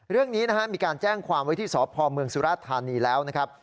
เรื่องนี้มีการแจ้งความไว้ที่สพมสุรธารณีแล้วนะครับ